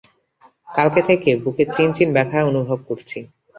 কালকে থেকে বুকে চিন চিন ব্যথা অনুভব করছি।